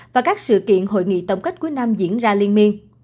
và các sự kiện hội nghị tổng cách quý nam diễn ra liên miên